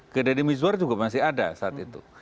ke deddy mizwar juga masih ada saat itu